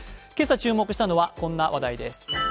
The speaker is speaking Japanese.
今朝注目したのは、こんな話題です